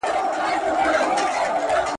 حیات الله په ماښام کې کور ته راغی.